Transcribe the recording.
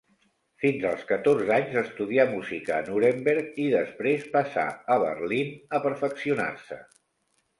Fins als catorze anys estudià música a Nuremberg, i després passà a Berlín a perfeccionar-se.